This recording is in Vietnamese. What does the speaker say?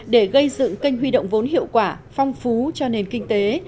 để gây dựng kênh huy động vốn hiệu quả phong phú cho nền kinh tế